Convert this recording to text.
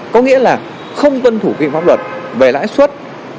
có nghĩa là không tuân thủ quy pháp luật về lãi suất